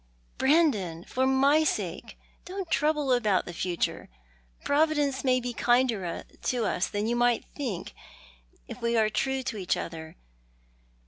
" Brandon, for my sake ! Don't trouble about the future. Providence may be kinder to us than you think, if we are tfuo to each other.